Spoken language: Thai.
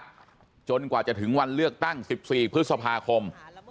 เสียงใหญ่ของพลักษณ์จนกว่าจะถึงวันเลือกตั้ง๑๔พฤษภาคม